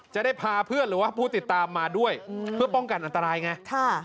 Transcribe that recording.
จะได้พาเพื่อนหรือว่าผู้ติดตามมาด้วยเพื่อป้องกันอันตรายไง